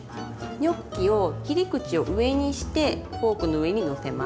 ニョッキを切り口を上にしてフォークの上にのせます。